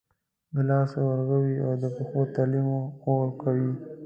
د لاسو ورغوي او د پښو تلې مې اور کوي